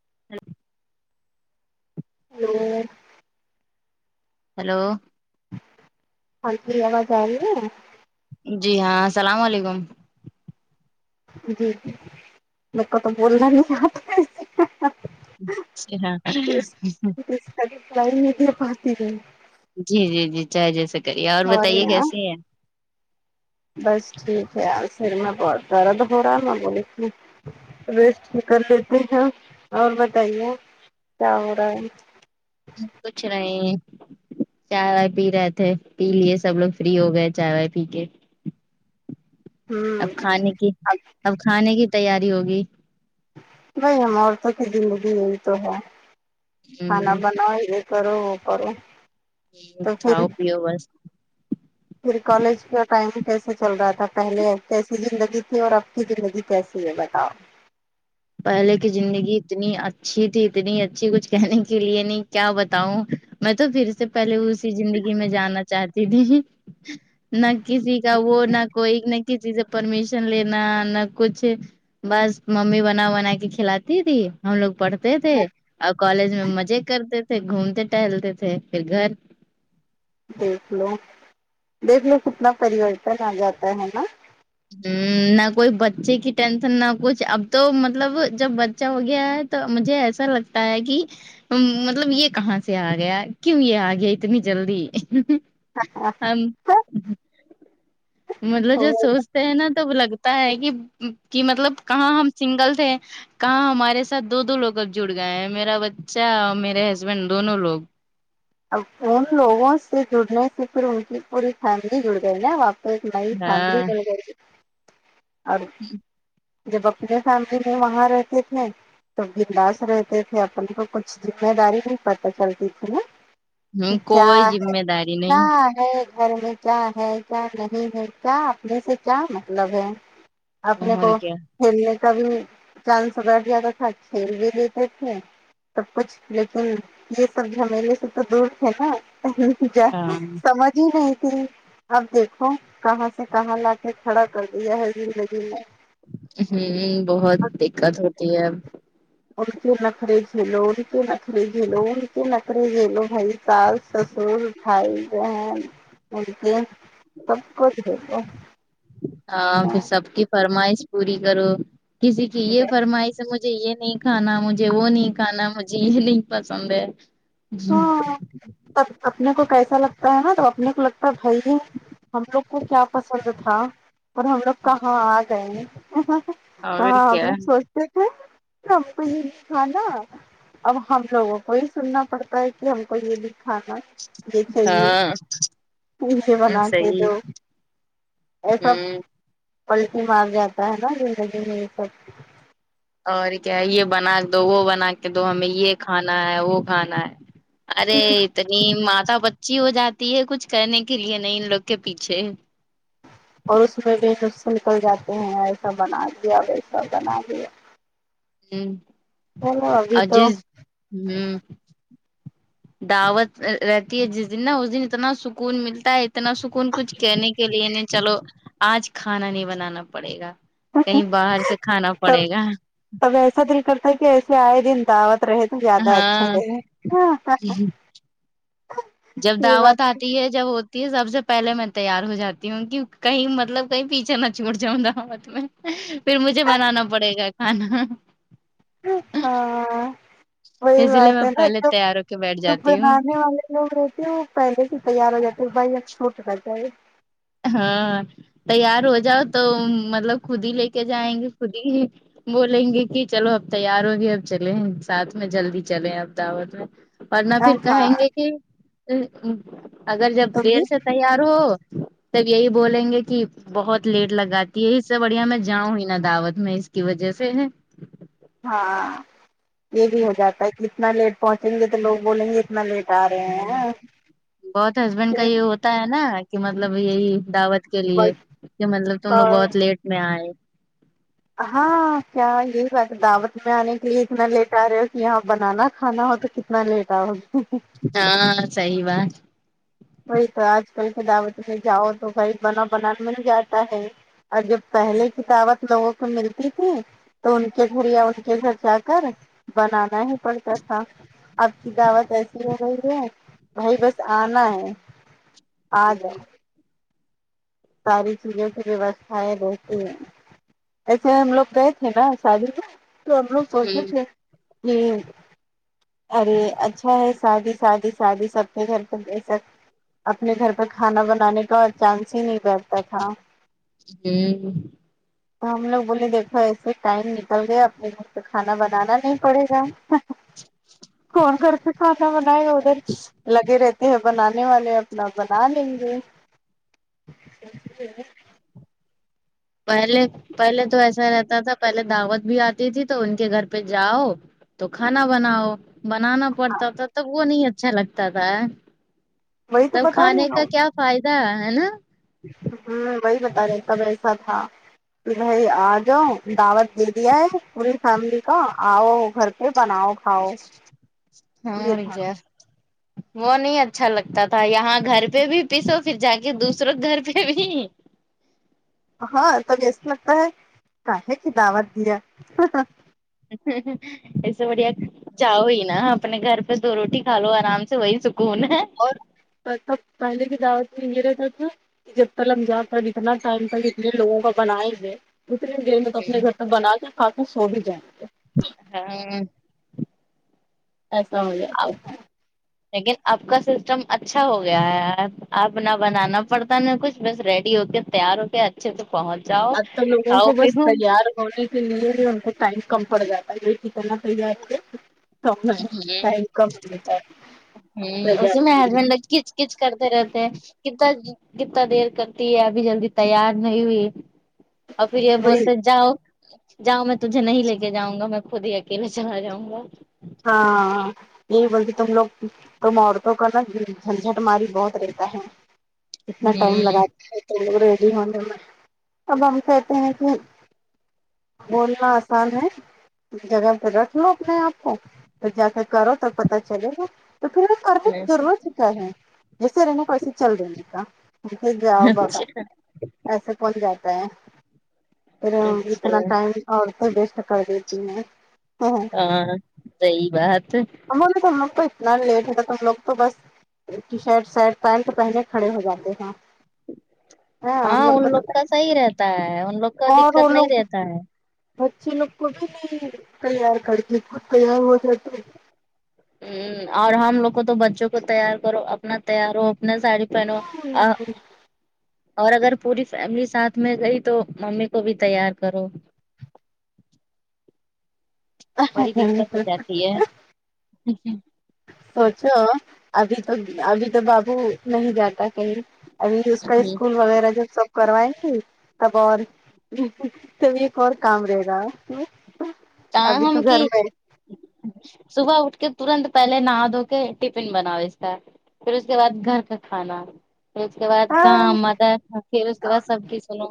[unintelligible] اور ہلو ہاں جی آواز آ رہی ہے جی ہاں سلام و علیکم جی جی میرے کو تو بولنا نہیں آتا ایسے اسکے ہاں اب پڑائی نہیں آپ اتی رہی جی جی جی چاہے جیسا کریے اور سوری بتائیے ہاں کیسی ہیں بس ٹھیک ہے پر میں بہت درد ہو رہا ہے میں بولی تھی ریسٹ بھی کر دیتے ہیں اور بتائیے کیا ہو رہا ہے کچھ نہیں چائے پی رہے تھے پی لیے سب لوگ فری ہو گئے چائے وائے پی کے اب ہوں کھانے کی اب کھانے کی تیاری ہوگی بھائی ہم عورتوں کی زندگی یہی تو ہے کھانا ہ بناؤ ہی کرو وہ کرو تو کھاؤ پھر پیو بس پھر کالج کا ٹائم کیسا چل رہا تھا پہلے کیسی زندگی تھی اور اب کی زندگی کیسی ہے بتاؤ پہلے کی زندگی اتنی اچھی تھی اتنی اچھی کچھ کہنے کے لیے نہیں کیا بتاؤں میں تو پھر سے پہلے اس زندگی میں جانا چاہتی تھی نہ کسی کا وہ نہ کوئی نہ چیز پرمیشن لینا نہ کچھ بس ممی نا بنا کے کھلاتی تھی ہم لوگ پڑھتے تھے نہ اور کالج میں مزے کرتے تھے گھومتے ٹہلتے تھے پھر گھر دیکھلو دیکھلو کتنا پورتن آ جاتا ہے نا ہمم نہ کوئی بچے کی ٹینشن نہ کچھ اب تو مطلب جب بچہ ہو گیا ہے تو مجھے ایسا لگتا ہے کہ مطلب یہ کہاں سے آ گیا کیوں یہ آ گیا اتنی جلدی ہم مطلب جب سوچتے ہیں نا تب لگتا ہے کہ کہ مطلب کہاں ہم سنگل تھے کہاں ہمارے ساتھ دو دو لوگ اب جڑ گئے ہیں میرا بچہ اور میرے ہسبینڈ دونوں لوگ اب ان لوگوں سے جڑنے سے پھر ان کی پوری فیملی جڑ گئی نا واپ تو ایک نیی فیملی ہاں جڑ گیئ اب جب اپنی فیملی میں وہاں رہتے تھے تو بنداس رہتے تھے اپن کو کچھ ذمہ داری نہیں پتہ چلتی تھی نا ہ کیا کوئی ہے ذمہ داری کیا نہیں ہے گھر میں کیا ہے کیا نہیں ہے کیا اپنے سے کیا مطلب ہے اپنے کو اور کیا کھیلنے کا بھی چانس بیٹھ جاتا تھا کھیل بھی لیتے تھے سب کچھ لیکن یہ سب جھمیلے سے تو دور تھے نا کیا ہاں سمج ہی نہیں تی اب دیکھو کہاں سے کہاں لا کے کھڑا کر دیا ہے زندگی میں ہوں بہت دقت ہوتی ہے ان کے نخرے جھیلوں ان کے نخرے جھیلوں ان کے نخرے جھیلوں بھائی ساس س سر بھائی بہن انکے سب کوچ ہوتے ہاں پھر سب کی فرمائش پوری کرو کسی کی یہ ہاں فرمائش ہے مجھ مجھے یہ نہیں کھانا مجھے وہ نہیں کھانا مجھے یہ نہیں پسند ہے ب اپنے کو کیسا لگتا ہے نا تو اپنے کو لگتا ہے بھائی ہم لوگ کو کیا پسند تھا اور ہم لوگ کہاں آ گئے ہیں اور کہاں ہم کیا لوگ سوچ تے ہمکو یہ نئی کھانا اب ہم لوگوں کو ہی سننا پڑتا [unintelligible] کہ ہم کویے بھی کھانا بے چے [unintelligible] ہاں پزے بنا کے صحیح دو یہ سب ہ پلٹی مار جاتا ہے نا زندگی میں یہ سب اور کیا ہے یہ بنا کے دو وہ بنا کے دو ہمیں یہ کھانا ہے وہ کھانا ہے ارے اتنی ماتا بچی ہو جاتی ہے کچھ کرنے کے لیے نہیں ان لوگ کے پیچھے اور اس پہ بھی نکس نکل جاتے ہیں ایسا بنا دیا ویسا بنا دیا ہم چلو ابھی تو اجیز ہوں دعوت رہتی ہے جس دن نا اس دن اتنا سکون ملتا ہے اتنا سکون کچھ کہنے کے لیے نہیں چلو آج کھانا نہیں بنانا پڑے گا کہیں باہر سے کھانا تب پڑے گا اب ایسا دل کرتا کہ ایسے آئے دن دعوت رہتے زیادہ اچھا ہاں ہے جب یہ دعوت بات آتی ہے جب یہ سب سے پہلے میں تیار ہو جاتی ہوں کہ کہیں مطلب کہیں پیچھے نہ چھوٹ جاؤںا ہت میں پھر مجھے بنانا پڑے گا کھانا ہاں وہی اس لیے بات میں ہے نا پہلے جب تیار ہو کے بیٹھ جب جاتی ہوں بنانے والے وہ رہتے ہیں وہ پہلے ہی تیار ہو جاتے ہیں بھائی اب چھوٹ رہتا ہے ہاں تیار ہو جاؤ تو مطلب خود ہی لے کے جائیں گے خود ہی بولیں گے کہ چلو اب تیار ہوگی اب چلیں ساتھ میں جلدی چلیں اب دعوت میں ورنہ ہاں پھر کہیں گے کہ اگر جب تم دیر بھی سے تیار ہو تب یہی بولیں گے کہ بہت لیٹ لگاتی ہے اس سے بڑھیا میں جاؤں ہی نا دعوت میں اس کی وجہ سے ہے ہاں یہ بھی ہو جاتا ہے کہ اتنا لیٹ پہنچیں گے تو لوگ بولیں گے اتنا لیٹ آ رہے ہیں بہت ہسبینڈ کا یہ ہوتا ہے نا کہ مطلب یہی دعوت کے لیے کہ مطلب تم لوگ بہت لیٹ میں آئے ہاں کیا یہی بات دعوت میں آنے کے لیے اتنا لیٹ آ رہے ہو کہ یہاں بنانا کھانا ہو تو ک تنا لیٹ آؤگے ہاں صحیح بات وہی تو آج کل سے دعوت میں جاؤ تو بھائی بنا بنان مل جاتا ہے اور جب پہلےکی دعوت لوگوں کو ملتی تھی تو ان کے گھر یا ان کے گھر جا کر بنانا ہی پڑتا تھا اب کی دعوت ایسی ہو رہی ہے بھائی بس آنا ہے آ جاؤ ساری چیزوں کی ویوستھائیں رہتی ہیں ایسے ہم لوگ گئے تھے نا شادی میں تو ہم لوگ سوچتے ہوں تھے کہ ارے اچھا ہے سادی سادی سادی سب کے گھر پ ایسا اپنے گھر پر کھانا بنانے کا چانس ہی نہیں کرتا تھا ہ تو ہم لوگ بولے دیکھو ایسے ٹائم نکل گیا اپنے تو کھانا بنانا نہیں پڑے گا کون کرتے کھانا بنائے ادھر لگے رہتے یہ بنانے والے اپنا بنا لیں گے [inaudible] پہلے پہلے تو ایسا رہتا تھا پہلے دعوت بھی آتی تھی تو ان کے گھر پہ جاؤ تو کھانا بناؤ بنانا پڑتا تھا تب وہ نہیں اچھا لگتا تھا وہی تو تب بتا کھانے کا کیا فائدہ ہے نا ہمم وہی بتا رہے سب ایسا تھا کہ بھائی آجاؤ دعوت دے دیا ہے پوری فیملی کا آؤ گھر پہ بناؤ کھاؤ ہاں یہ تھا بھیا وہ نہیں اچھا لگتا تھا یہاں گھر پہ بھی پیسو پھر جا کے دوسروں گھر پہ بھی ہاں توب ایسے لگتا ہے کاہے کی دعوت دیا اچھا ایسے بڑھیا چاو ہی نا اپنے گھر پہ دو روٹی کھا لو آرام سے وہی سکون ہے اور سب پہلے کی دعوت میں یہ رہتا تھا کہ جب تک ل ہم جا کر اتنا ٹائم تک اتنے لوگوں کا بنائے ہوئے اتنے دیر میں تو اپنے گھر پ بنا کے کھا کے سو بھی جائیں گے ہاں ایسا ہو جاتا [inaudible] لیکن آپ کا سسٹم اچھا ہو گیا ہے آپ نہ بنانا پڑتا نہ کچھ بس ریڈی ہو کے تیار ہوکے اچھے تو پہنچ جاؤ ابتو لوگو کو کھاؤ بس پیو ہوں تیار ہونے کے لئے ٹائم کم پڑ جاتا ہے یہ کتنا تیار ہوئے ہ ہ ہے اسے میں تیار ہسبینڈ ل [inaudible] کچھ کرتے رہتے ہیں کے کال کتنا دیر کرتی ہے ابھی جلدی تیار نہیں ہوئی اور پھر یہ وہی بولتے جاؤ جاؤں میں تجھے نہیں لے کے جاؤں گا میں خود ہی اکیلے چلا جاؤں گا ہاں یہی بولتے تم لوگ تم عورتوں کا نا جنجٹ ماری بہت رہتا ہے اتنا ٹائم لگاتا ہے تو لوگ ریڈی ہونے میں اب ہم کہتے ہیں کہ بولنا آسان ہے جگہ پرگہ و اپنے آپ کو تو جا کر کرو تو پتا چلے گا تو پھر کرنے کی ضرورت کیاے جیسے رہنے کا ویسے چل دینے کا جے گیاؤ بابا اچھا ایسا بن جاتا ہے پھر اچھا اتنا ٹائم عورتیں بیسٹ کر دیتی ہیں ہاں ہاں صحیح بات ہے ہم تو تم لوگ تو اتنا لیٹ ہو تھا تم لوگ تو بس [unintelligible] ٹی شٹ سٹ پینٹ تو پہلے کھڑے ہو جاتے ہے ہاں ان لوگ کا صحیح رہتا ہے ان لوگ کا اور دقت وہ نہیں لوگ رہتا ہے بچے لوگ کو بھی نہیں تیار کر کے تیار ہو جاتے ہمم اور ہم لوگ کو تو بچوں کو تیار کرو اپنا تیار ہو اپنا ساڑی پہنو آ اور اگر پوری فیملی ساتھ میں گئی تو ممی کو بھی تیار کرو بڑی دقت ہو جاتے جاتی ہے اچھا ابھی تو ابھی تو بابو نہیں جاتا کہیں ابھی اس ہ کا اسکول وغیرہ جب سب کروائے تھے گے تب اور تبھی ایک اور کام رہے گا ت ابھی ہم تو کی گھر میں صبح اٹھ کے ترنت پہلے نہا دھو کے ٹفن بناو اس کا پھر اس کے بعد گھر کا کھانا پھر اس کے بعد ہاں کام آتا ہے پھر اس کے بعد سب ک سنو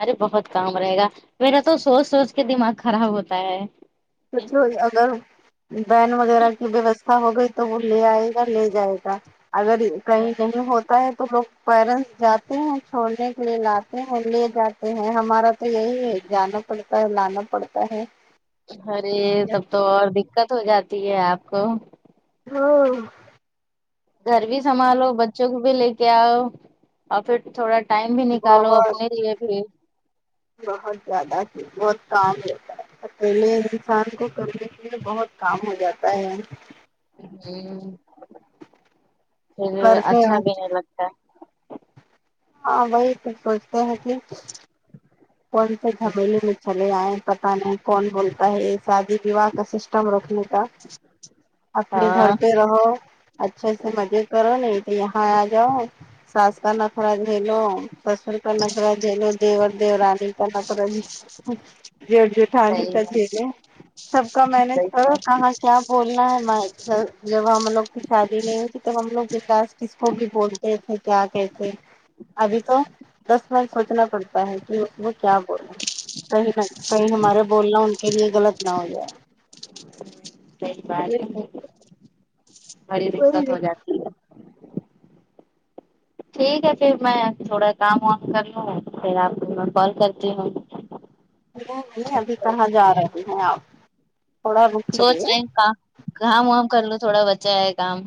ارے بہت کام رہے گا میرا تو سوچ سوچ کے دماغ خراب ہوتا ہے سوچوں اگر وین وغیرہ کی ویوستھا ہو گئی تو وہ لے آئے گا لے جائے گا اگر کہیں کہیں ہو تو لوگ پیرنٹس جاتے ہیں چھوڑنے کے لیے لاتے ہیں لے جاتے ہیں ہمارا تو یہی ہے جانا پڑتا ہے لانا پڑتا ہے ارے تب تو اور دقت ہو جاتی ہے آپ کو ہاں گھر بھی سنبھالو بچوں کو بھی لے کے آؤ اور پھر تھوڑا ٹائم بھی نکالو بہت اپنے لیے بھی بہت زیادہ بہت کام لیتا ہے اکیلے انسان کو کرنے کے لیے بہت کام ہو جاتا ہے جی پھر کرتے اچھا ہیں بھی نہیں لگتا ہے ہاں وہی تو سوچتے ہیں کہ کون سے جھمیلے میں چلے آئے پتہ نہیں کون بولتا ہے شادی بیاہ کا سسٹم رکھنے کا اپنے گھر ہاں پہ رہ ہو اچھے سے مزے کرو نہیں تو یہاں آ جاؤ ساس کا نخرا جھیلوں سسر کا نخرا جھیلوں دیور دیو ن پ جٹ جٹھانی صحیح کا ج بات [unintelligible] سب کا مینج صحیح کرو بات کہاں ہاں کیا بولنا ہے میں جب ہم لوگ کی شادی نہیں ہوتی تب ہم لوگ کے پاس کس کو بھی بول کہ تھے کیا کہ تھے ابھی تو دس من سوچنا پڑتا ہے کہ وہ کیا بولے کہیں کہیں ہمارے بولنا ان کے لیے غلط نہ ہو جائے صحیح بات ہے بڑی دقت نہیں ہو جاتی ہے ٹھیک ہے پھر میں تھوڑا کام وام کر لوں پھر آپ کو میں کال کرتی ہوں نہیں نہیں ابھی کہاں جا رہے ہیں آپ تھوڑا سوچ رکیے رہے ہیں کام وام کر لو تھوڑا بچا ہے کام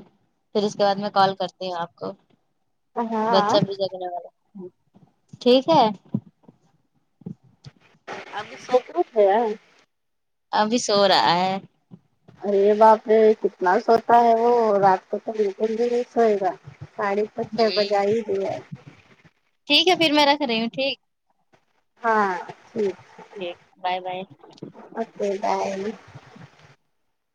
پھر اس کے بعد میں کال کرتی ہوں آپ کو بچہ ہاں بھی جگنے والا ٹھیک ہے ابھی سو [unintelligible] ہے ابھی سو رہا ہے ارے باپ رے کتنا سوتا ہے وہ رات کو تو بالکل بھی نہیں سوئے گا ساڑی پے بجائی دی ہے ٹھیک ہے پھر میں رکھ رہی ہوں ٹھیک ہاں ٹھیک ج بائے بائے اوکے بائے